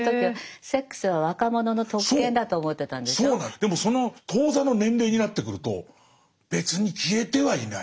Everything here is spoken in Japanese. でもその当座の年齢になってくると別に消えてはいない。